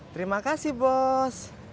terima kasih bos